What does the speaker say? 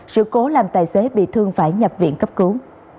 sự cố làm tài xế bị thương phải nhập viện cấp cứu